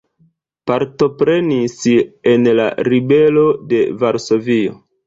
Partoprenis en la ribelo de Varsovio.